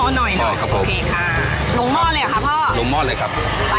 นี้หน่อยครับ